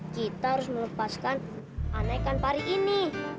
kita harus melepaskan anak ikan pari ini